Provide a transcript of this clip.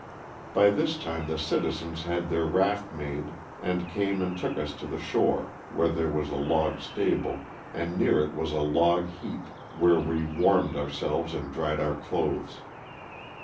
LOSS OF THE SULTANA. 139 By this time the citizens had their raft made and came and took us to the shore where there was a log stable, and near it was a log heap where we warmed ourselves and dried our clothes.